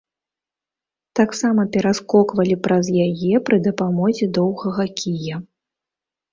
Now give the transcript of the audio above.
Таксама пераскоквалі праз яе пры дапамозе доўгага кія.